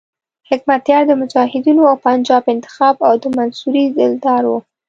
حکمتیار د مجاهدینو او پنجاب انتخاب او د منصوري دلدار وو.